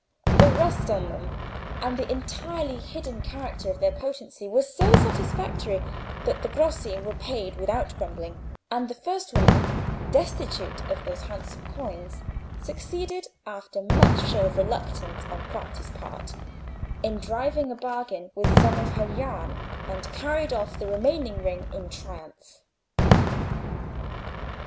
The rust on them, and the entirely hidden character of their potency, were so satisfactory, that the grossi were paid without grumbling, and the first woman, destitute of those handsome coins, succeeded after much show of reluctance on Bratti's part in driving a bargain with some of her yarn, and carried off the remaining ring in triumph.